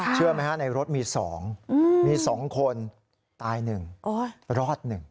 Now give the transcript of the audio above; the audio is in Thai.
เชื่อไหมครับในรถมีสองมีสองคนตายหนึ่งรอดหนึ่ง